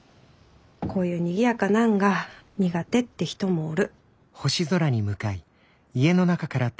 こういうにぎやかなんが苦手って人もおる。